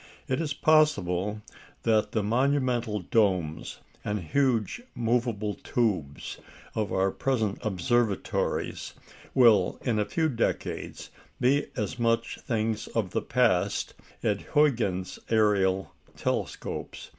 It is possible that the monumental domes and huge movable tubes of our present observatories will, in a few decades, be as much things of the past as Huygens's "aerial" telescopes.